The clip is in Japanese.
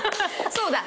そうだ。